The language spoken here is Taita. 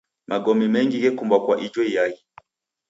Magome mengi ghekumbwa kwa ijo iaghi.